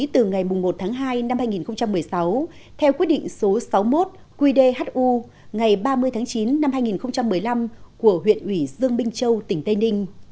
từ ngày một tháng hai năm hai nghìn một mươi sáu theo quyết định số sáu mươi một qdhu ngày ba mươi tháng chín năm hai nghìn một mươi năm của huyện ủy dương minh châu tỉnh tây ninh